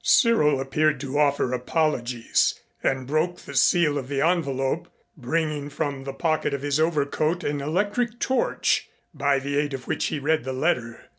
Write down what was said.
Cyril appeared to offer apologies and broke the seal of the envelope, bringing from the pocket of his overcoat an electric torch, by the aid of which he read the letter.